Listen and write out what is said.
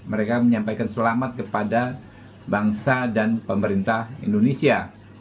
mereka menyampaikan selamat kepada bangsa dan pemerintah indonesia